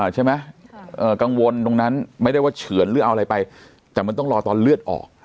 ใช่ไหมกังวลตรงนั้นไม่ได้ว่าเฉือนหรือเอาอะไรไปแต่มันต้องรอตอนเลือดออก